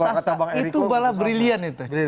bukan putus asa itu bahkan brilliant itu